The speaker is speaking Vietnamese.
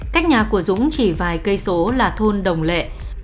cách nhà của dũng chỉ vài cây số là thôn đồng lệ